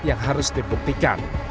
yang harus dibuktikan